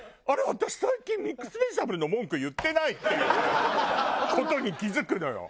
私最近ミックスベジタブルの文句言ってないっていう事に気付くのよ。